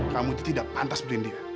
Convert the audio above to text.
kamu tidak pantas beli dia